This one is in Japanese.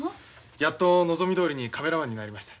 やっと望みどおりにカメラマンになりました。